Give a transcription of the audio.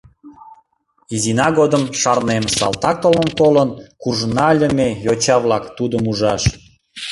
Изина годым, шарнем, салтак толмым колын, куржына ыле ме, йоча-влак, тудым ужаш.